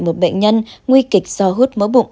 một bệnh nhân nguy kịch do hút mỡ bụng